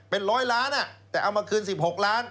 เป็น๑๐๐ล้านแต่เอามาคืน๑๖ล้าน